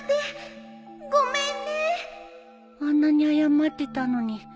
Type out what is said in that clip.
あんなに謝ってたのに